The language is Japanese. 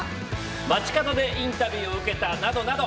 街角でインタビューを受けたなどなど。